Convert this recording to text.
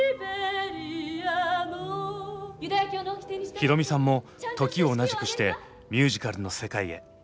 宏美さんも時を同じくしてミュージカルの世界へ。